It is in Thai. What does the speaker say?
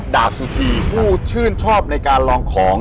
ดาบสุธีผู้ชื่นชอบในการลองของ